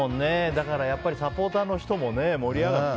だからサポーターの人も盛り上がって。